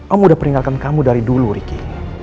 om udah peringatkan kamu dari dulu ricky